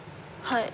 はい。